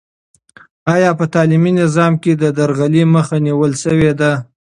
آیا په تعلیمي نظام کې د درغلۍ مخه نیول سوې ده؟